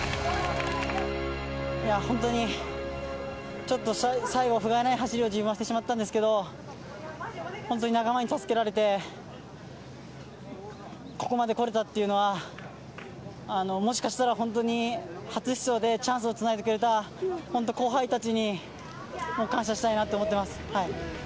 本当に、ちょっと最後、ふがいない走りを自分はしてしまったんですけど、本当に仲間に助けられて、ここまで来れたっていうのは、もしかしたら本当に、初出場でチャンスをつないでくれた、本当、後輩たちにもう感謝したいなと思ってます。